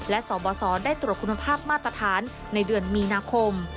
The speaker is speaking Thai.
และสบสได้ตรวจคุณภาพมาตรฐานในเดือนมีนาคม